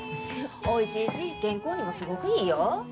おいしいし健康にもすごくいいよ。